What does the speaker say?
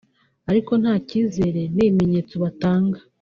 ariko nta kizere n’ibimenyetso batanga